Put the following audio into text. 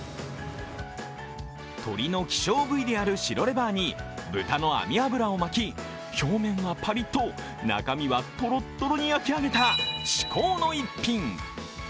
鶏の希少部位である白レバーに蓋の網脂を巻き表面はパリッと中身はとろっとろに焼き上げた至高の逸品。